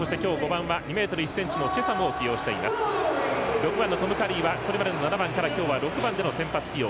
６番、トム・カリーはこれまでの７番から６番での先発起用。